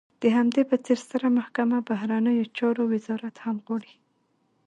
د همدې په څېر ستره محکمه، بهرنیو چارو وزارت هم غواړي.